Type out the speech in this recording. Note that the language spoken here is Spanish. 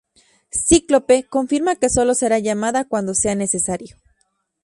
Cíclope confirma que sólo será llamada cuando sea necesario.